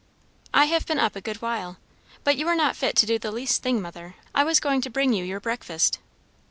"I have been up a good while. But you are not fit to do the least thing, mother. I was going to bring you your breakfast."